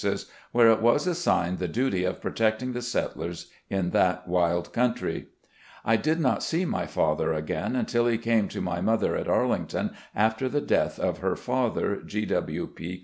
20 RECOLLECTIONS OP GENERAL LEE where it was assigned the duty of protecting the settlers in that wild country. I did not see my father again until he came to my mother at Arlington after the death of her father, G. W. P.